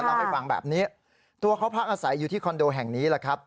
เล่าให้ฟังแบบนี้ตัวเขาพักอาศัยอยู่ที่คอนโดแห่งนี้แหละครับ